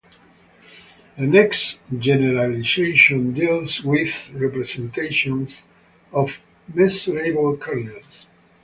The next generalization deals with representations of "measurable" kernels.